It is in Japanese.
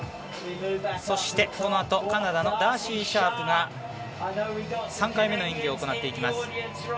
そして、このあとカナダのダーシー・シャープが３回目の演技を行っていきます。